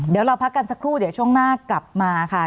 เดี๋ยวเราพักกันสักครู่เดี๋ยวช่วงหน้ากลับมาค่ะ